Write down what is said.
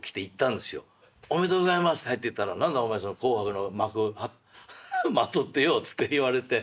おめでとうございますって入っていったら何だお前その紅白の幕まとってよって言われて。